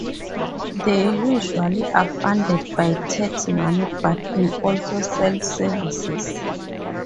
They usually are funded by tax money but can also sell services.